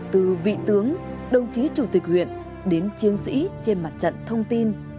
từ vị tướng đồng chí chủ tịch huyện đến chiến sĩ trên mặt trận thông tin